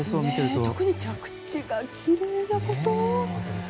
特に着地がきれいなこと。